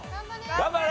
頑張れ！